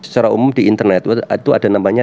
secara umum di internet itu ada namanya